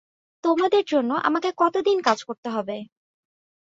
তোমাদের জন্য আমাকে কতদিন কাজ করতে হবে?